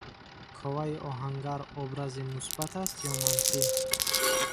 Коваи оҳангар образи мусбат аст ё манфӣ?